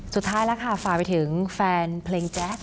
สุดท้ายแล้วค่ะฝากไปถึงแฟนเพลงแจ๊ส